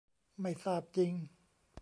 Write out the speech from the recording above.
ไม่ทราบจริง